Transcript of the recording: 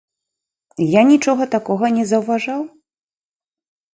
Я нічога такога не заўважаў.